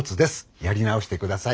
やり直して下さい。